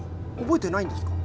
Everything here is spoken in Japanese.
覚えてないんですか？